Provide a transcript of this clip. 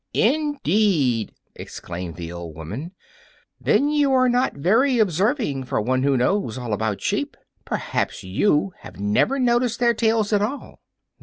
"Indeed!" exclaimed the old woman, "then you are not very observing for one who knows all about sheep. Perhaps you have never noticed their tails at all."